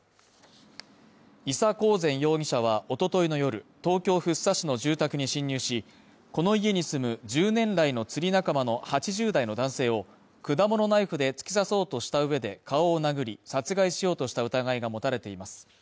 伊佐交善容疑者は、おとといの夜、東京福生市の住宅に侵入し、この家に住む１０年来の釣り仲間の８０代の男性を果物ナイフで突き刺そうとした上で、顔を殴り、殺害しようとした疑いが持たれています。